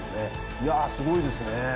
いやすごいですね。